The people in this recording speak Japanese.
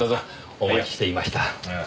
お待ちしていました。